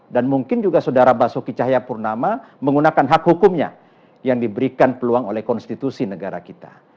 dan mungkin juga saudara basuki cahyapurnama menggunakan hak hukumnya yang diberikan peluang oleh konstitusi negara kita